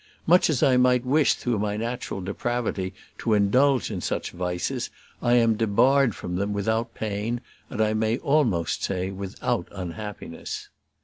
Much as I might wish through my natural depravity to indulge in such vices, I am debarred from them without pain, and I may almost say without unhappiness."